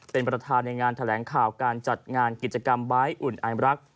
เป็นประธานในงานแถลงข่าวการจัดงานกิจกรรมไบท์อุ่นไอรัก